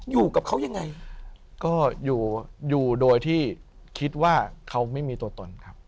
อยู่กับเขายังไงก็อยู่อยู่โดยที่คิดว่าเขาไม่มีตัวตนครับ